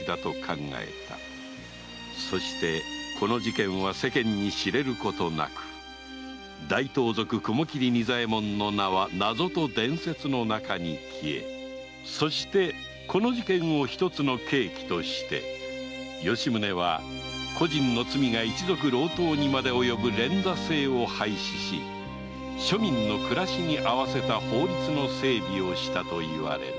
そしてこの事件は世間に知れることなく大盗賊・雲切仁左衛門の名は謎と伝説の中に消えそしてこの事件を一つの契機として吉宗は個人の罪が一族郎党にまでおよぶ連座制を廃止し庶民の暮らしに合わせた法律の整備をしたといわれる